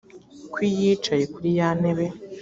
kw’iyicaye kuri ya ntebe